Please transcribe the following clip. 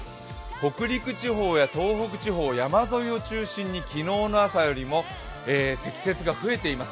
北陸地方や東北地方、山沿いを中心に昨日の朝よりも積雪が増えています。